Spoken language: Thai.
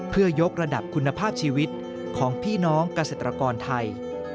เพื่อยกระดับคุณภาพชีวิตของพี่น้องเกษตรกรไทย